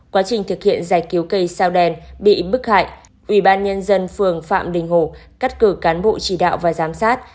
quá trình thực hiện giải cứu cây sao đen bị bức hại ủy ban nhân dân phường phạm đình hồ cắt cử cán bộ chỉ đạo và giám sát